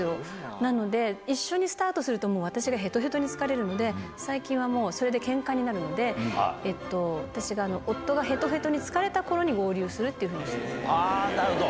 なので、一緒にスタートすると、もう私がへとへとに疲れるので、最近はもうそれでけんかになるので、えっと、私が、夫がへとへとに疲れたころに、合流するっていうふうにしてなるほど。